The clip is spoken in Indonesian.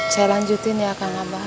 saya lanjutin ya kang abah